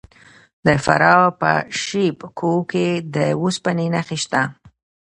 د فراه په شیب کوه کې د وسپنې نښې شته.